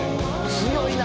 「強いな！」